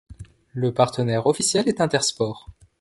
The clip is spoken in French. Le partenaire officiel est Intersport.